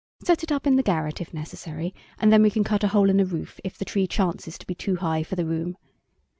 Set it up in the garret, if necessary, and then we can cut a hole in the roof if the tree chances to be too high for the room.